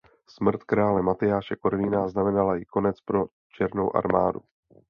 Smrt krále Matyáše Korvína znamenala i konec pro Černou armádu.